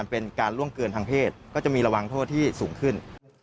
เป็นการล่วงเกินทางเพศก็จะมีระวังโทษที่สูงขึ้น